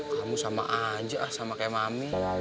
kamu sama aja ah sama kayak mami